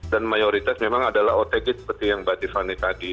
dan mayoritas memang adalah otg seperti yang mbak tiffany tadi